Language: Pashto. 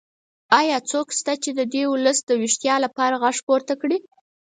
ایا څوک شته چې د دې ولس د ویښتیا لپاره غږ پورته کړي؟